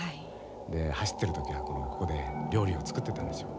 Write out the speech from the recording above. で走ってる時はここで料理を作ってたんでしょう。